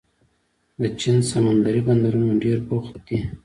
د چین سمندري بندرونه ډېر بوخت دي.